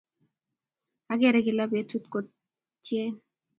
Akere kila petut kotyene